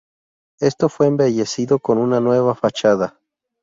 Esto fue embellecido con una nueva fachada.